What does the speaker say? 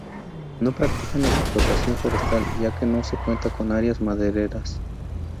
No practican la explotación forestal ya que no se cuenta con áreas madereras.